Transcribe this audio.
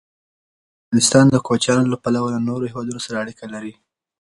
افغانستان د کوچیانو له پلوه له نورو هېوادونو سره اړیکې لري.